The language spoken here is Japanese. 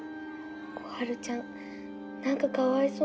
心春ちゃん何かかわいそう